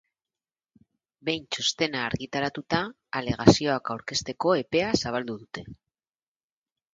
Behin txostena argitaratuta, alegazioak aurkezteko epea zabaldu dute.